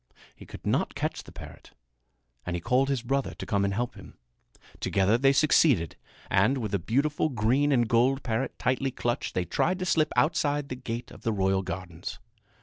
He could not catch the parrot and he called his brother to come and help him. Together they succeeded; and, with the beautiful green and gold parrot tightly clutched, they tried to slip outside the gate of the royal gardens.